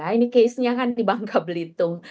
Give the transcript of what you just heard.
ini case nya kan di bangka belitung